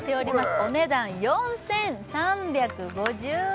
お値段４３５０円